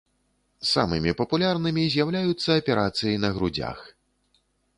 Самымі папулярнымі з'яўляюцца аперацыі на грудзях.